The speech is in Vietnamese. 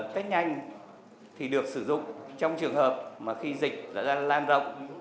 tết nhanh thì được sử dụng trong trường hợp mà khi dịch đã ra lan rộng